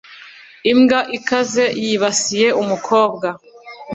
Imbwa ikaze yibasiye umukobwa.